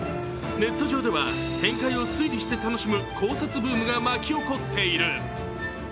ネット上では、展開を推理して楽しむ考察ブームが巻き起こっている。